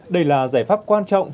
đây là giải pháp quan trọng